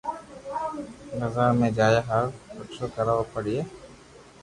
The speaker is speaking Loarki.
بزار م جايا هارون رڪۮه ڪراوئ پڙو هي